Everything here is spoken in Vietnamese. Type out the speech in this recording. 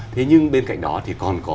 thế nhưng bên cạnh đó thì còn có